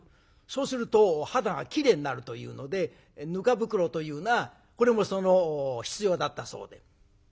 そうすると肌がきれいになるというのでぬか袋というのがこれも必要だったそうで。